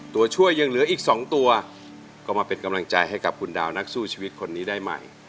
ตัวช่วยยังเหลืออีก๒ตัวก็มาเป็นกำลังใจให้กับคุณดาวนักสู้ชีวิตคนนี้ได้ใหม่